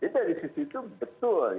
jadi dari situ betul